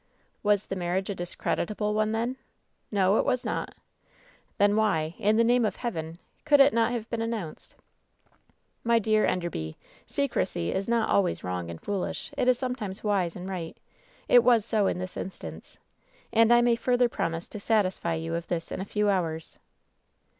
"Was the marriage a discreditable one, then ?" "No, it was not." "Then why, in the name of Heaven, could it not have been announced ?" "My dear Enderby — secrecy is not always wrong and foolish; it is sometimes wise and right. It was so ia this instance. And I may further promise to satisfy you of this in a few hours."